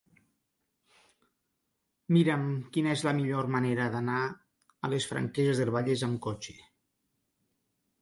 Mira'm quina és la millor manera d'anar a les Franqueses del Vallès amb cotxe.